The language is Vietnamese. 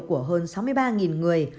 của hơn sáu mươi ba người